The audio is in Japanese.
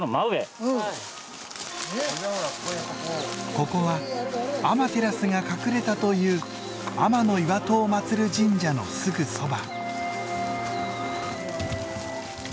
ここはアマテラスが隠れたという天岩戸を祀る神社のすぐそば。